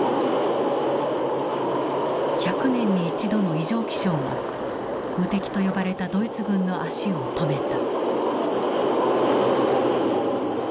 １００年に一度の異常気象が無敵と呼ばれたドイツ軍の足を止めた。